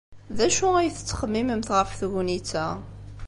D acu ay tettxemmimemt ɣef tegnit-a?